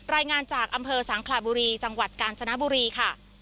รายงานจากอำเภอสังขลาบุรีจังหวัดกาญจนบุรีค่ะ